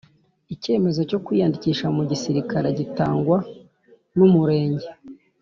icyemezo cyo kwiyandikisha mu gisirikare gitangwa n’umurenge